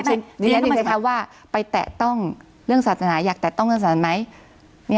อย่างนี้ถึงในคำถามว่าไปแตะต้องเรื่องศาสนาอยากแตะต้องเรื่องศาสนาไหม